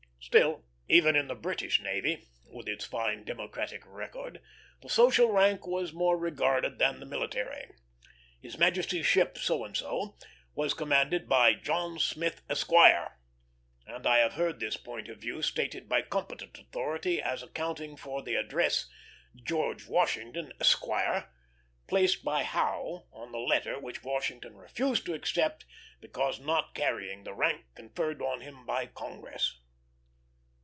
Still, even in the British navy, with its fine democratic record, the social rank was more regarded than the military. His Majesty's ship So and So was commanded by John Smith, Esquire; and I have heard this point of view stated by competent authority as accounting for the address George Washington, Esquire placed by Howe on the letter which Washington refused to accept because not carrying the rank conferred on him by Congress.